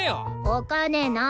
お金ない。